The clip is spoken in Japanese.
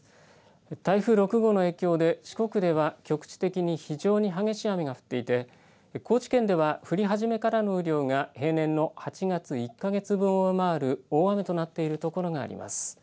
台風６号の影響で四国では局地的に非常に激しい雨が降っていて高知県では降り始めからの雨量が平年の８月１か月分を上回る大雨となっているところがあります。